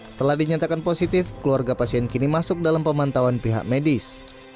setelah dinyatakan positif keluarga pasien kini masuk dalam pemantauan pihak medis